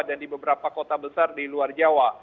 di beberapa kota besar di luar jawa